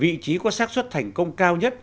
vị trí có sát xuất thành công cao nhất